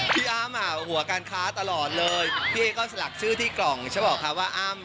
พี่อ้ำหัวการค้าตลอดเลยพี่เอ๊ก็สลักชื่อที่กล่องใช่ป่ะคะว่าอ้ำ